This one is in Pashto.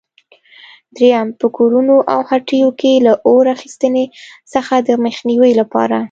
درېیم: په کورونو او هټیو کې له اور اخیستنې څخه د مخنیوي لپاره؟